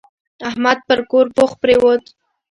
احمد پر کور پوخ پرېوت.